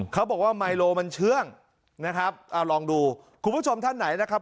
เขาบอกว่าไมโลมันเชื่องนะครับเอาลองดูคุณผู้ชมท่านไหนนะครับ